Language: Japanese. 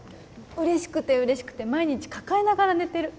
嬉しくて嬉しくて毎日抱えながら寝てる